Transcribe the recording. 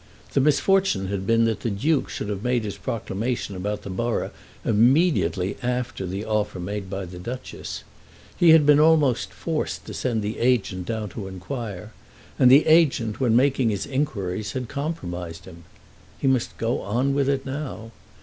The misfortune had been that the Duke should have made his proclamation about the borough immediately after the offer made by the Duchess. He had been almost forced to send the agent down to inquire; and the agent, when making his inquiries, had compromised him. He must go on with it now.